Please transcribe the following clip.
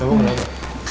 ya bu mulai